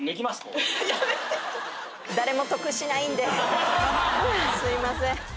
これすいません